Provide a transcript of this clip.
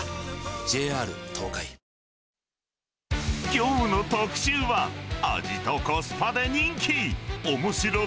きょうの特集は、味とコスパで人気！